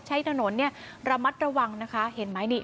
ใช้ถนนเนี่ยระมัดระวังนะคะเห็นไหมนี่